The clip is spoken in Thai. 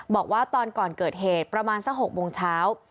บอกว่าตอนก่อนเกิดเหตุประมาณสัก๖โมงเช้า